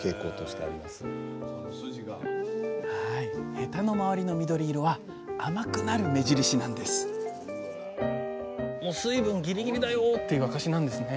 へたの周りの緑色は甘くなる目印なんですもう水分ぎりぎりだよっていう証しなんですね。